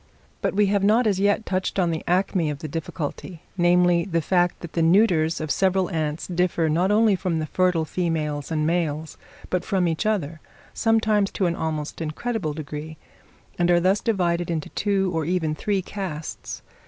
But we have not as yet touched on the acme of the difficulty; namely, the fact that the neuters of several ants differ, not only from the fertile females and males, but from each other, sometimes to an almost incredible degree, and are thus divided into two or even three castes.